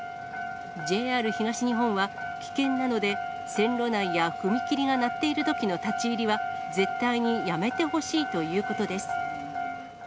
ＪＲ東日本は、危険なので、線路内や踏切が鳴っているときの立ち入りは絶対にやめてほしいということです。